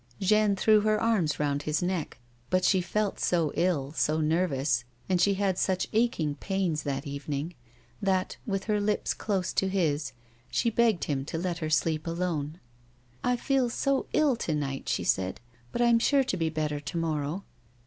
Jeanne threw her arms round his neck, but she felt so ill, so nervous, and she had such aching pains that evening, that, with her lips close to his, she begged him to let her sleep alone. " I feel so ill to night," she said, " but I am sure to be better to morrow."